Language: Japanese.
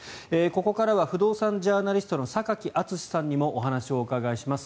ここからは不動産ジャーナリストの榊淳司さんにもお話をお伺いします。